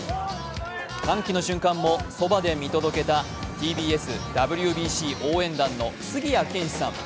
歓喜の瞬間も、そばで見届けたＴＢＳ、ＷＢＣ応援団の杉谷拳士さん。